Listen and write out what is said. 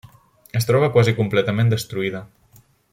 Es troba quasi completament destruïda.